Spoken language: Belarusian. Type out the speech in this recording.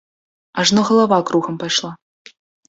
Ажно галава кругам пайшла.